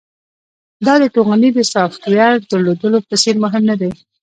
دا د توغندي د سافټویر درلودلو په څیر مهم ندی